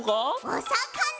おさかな！